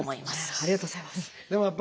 ありがとうございます。